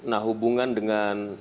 nah hubungan dengan